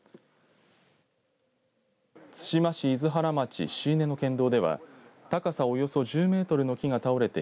対馬市厳原町椎根の県道では高さ、およそ１０メートルの木が倒れて